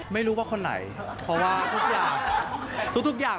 ไม่รู้ว่าคนไหนเพราะว่าทุกอย่าง